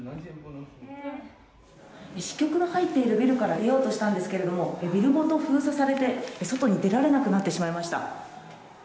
支局の入っているビルから出ようとしたんですけれども、ビルごと封鎖されて、外に出られなくなってしまいました。